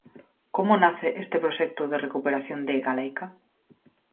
Como nace este proxecto de recuperación de 'Galaica'?